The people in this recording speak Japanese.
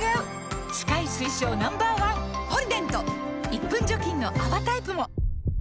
１分除菌の泡タイプも！